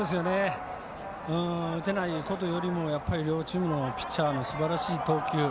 打てないことよりも両チームのピッチャーのすばらしい投球。